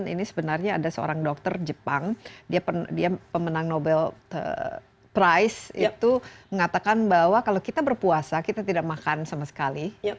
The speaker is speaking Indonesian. ini sebenarnya ada seorang dokter jepang dia pemenang nobel price itu mengatakan bahwa kalau kita berpuasa kita tidak makan sama sekali